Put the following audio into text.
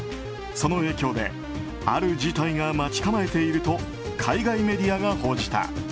その影響である事態が待ち構えていると海外メディアが報じた。